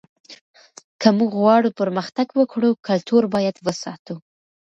که موږ غواړو پرمختګ وکړو کلتور باید وساتو.